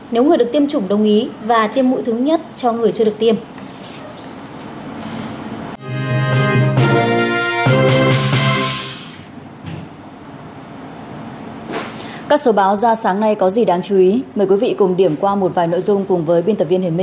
nếu người được tiêm chủng đồng ý và tiêm mũi thứ nhất cho người chưa được tiêm